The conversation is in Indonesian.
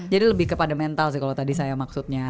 jadi lebih kepada mental sih kalo tadi saya maksudnya